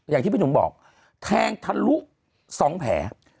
อย่างที่พี่หนุ่มบอกแทงทะลุ๒แผล